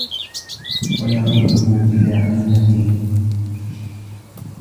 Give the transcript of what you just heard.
وَيَرُدُّهُ إلَى قِيمَتِهِ